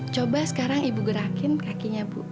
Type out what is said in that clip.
coba sekarang ibu gerakin kakinya bu